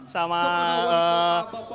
sama para debudaya ini